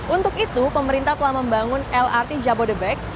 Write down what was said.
untuk itu pemerintah telah membangun lrt jabodebek